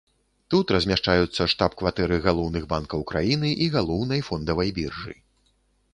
Тут размяшчаюцца штаб-кватэры галоўных банкаў краіны і галоўнай фондавай біржы.